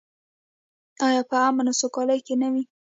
آیا په امن او سوکالۍ کې نه وي؟